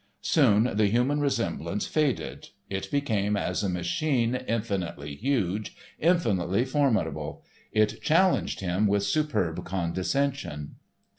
Soon the human resemblance faded. It became as a machine infinitely huge, infinitely formidable. It challenged him with superb condescension.